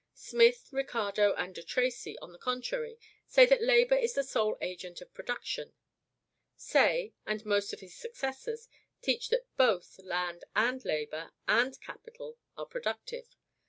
Smith, Ricardo, and de Tracy, on the contrary, say that labor is the sole agent of production. Say, and most of his successors, teach that BOTH land AND labor AND capital are productive.